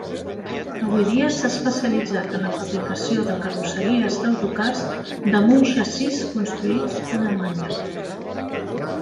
Avui dia s'ha especialitzat en la fabricació de carrosseries d'autocars damunt xassís construïts a Alemanya.